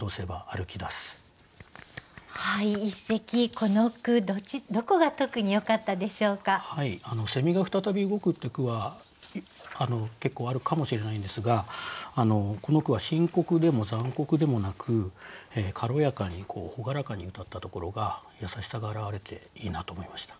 この句どこが特によかったでしょうか？が再び動くって句は結構あるかもしれないんですがこの句は深刻でも残酷でもなく軽やかに朗らかにうたったところが優しさが表れていいなと思いました。